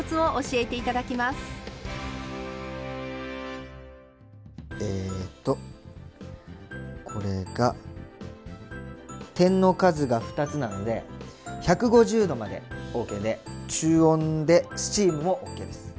えっとこれが点の数が２つなので１５０℃までＯＫで中温でスチームもＯＫです。